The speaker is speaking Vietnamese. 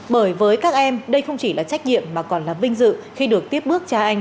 bởi với các em đây không chỉ là trách nhiệm mà còn là vinh dự khi được tiếp bước cha anh